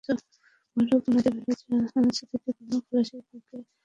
ভৈরব নদে ভেড়া জাহাজ থেকে পণ্য খালাসের ফাঁকে আবদুর রাজ্জাক জিরিয়ে নিচ্ছিলেন।